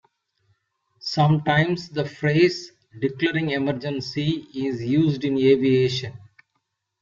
Sometimes the phrase "declaring emergency" is used in aviation.